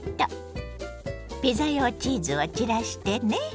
ピザ用チーズを散らしてね。